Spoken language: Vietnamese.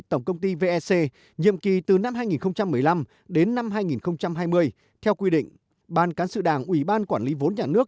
tổng công ty vec nhiệm kỳ từ năm hai nghìn một mươi năm đến năm hai nghìn hai mươi theo quy định ban cán sự đảng ủy ban quản lý vốn nhà nước